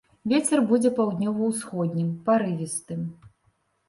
Вецер будзе паўднёва-ўсходнім, парывістым.